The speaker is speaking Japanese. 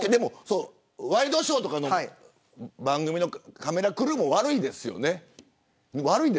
ワイドショーとかの番組のカメラクルーも悪いですよね。